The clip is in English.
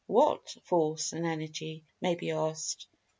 "What Force and Energy?" may be asked.